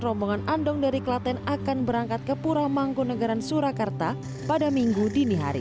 rombongan andong dari klaten akan berangkat ke pura mangkunagaran surakarta pada minggu dini hari